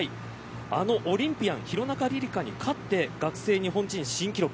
あのオリンピアン廣中に勝って学生日本人新記録。